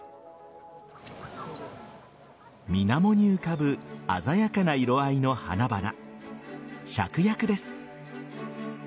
水面に浮かぶ鮮やかな色合いの花々シャクヤクです。